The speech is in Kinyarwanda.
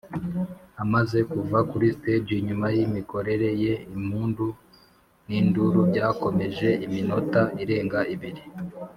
amaze kuva kuri stage nyuma yimikorere ye impundu ninduru byakomeje iminota irenga ibiri.